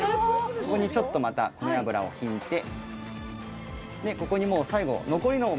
ここにちょっとまた米油を引いてここにもう最後。